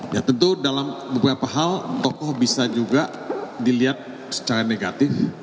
ya tentu dalam beberapa hal tokoh bisa juga dilihat secara negatif